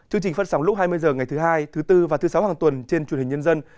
chương trình phát sóng lúc hai mươi h ngày thứ hai thứ bốn và thứ sáu hàng tuần trên truyền hình nhân dân